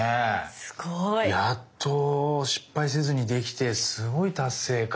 すごい。やっと失敗せずにできてすごい達成感。